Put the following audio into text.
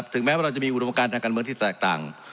แม้ว่าเราจะมีอุดมการทางการเมืองที่แตกต่าง